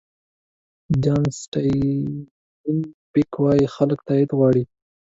جان سټاین بېک وایي خلک تایید غواړي.